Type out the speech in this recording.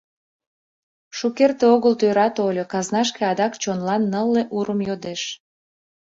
Шукерте огыл тӧра тольо, казнашке адак чонлан нылле урым йодеш.